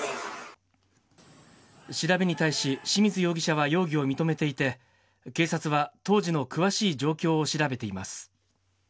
調べに対し清水容疑者は容疑を認めていて、警察は当時の詳しい状況を調べています。